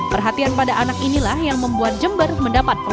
perhatian pada anak inilah yang membuat jember mendapat peluang